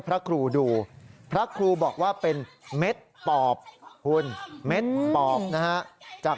สายลูกไว้อย่าใส่